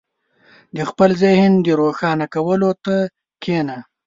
• د خپل ذهن د روښانه کولو ته کښېنه.